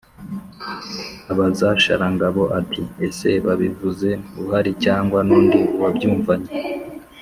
abaza sharangabo, ati: «ese babivuze uhari cyangwa n'undi wabyumvanye ‘»